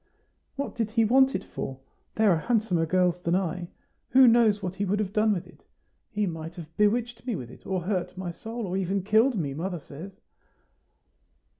"What did he want it for? There are handsomer girls than I. Who knows what he would have done with it? He might have bewitched me with it, or hurt my soul, or even killed me, mother says."